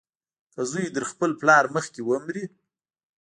که زوى تر خپل پلار مخکې ومري.